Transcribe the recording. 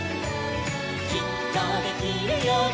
「きっとできるよね」